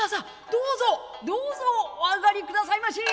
どうぞどうぞお上がりくださいまし。